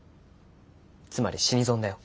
つまり死に損だよ。